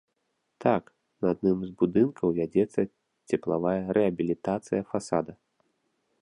Так, на адным з будынкаў вядзецца цеплавая рэабілітацыя фасада.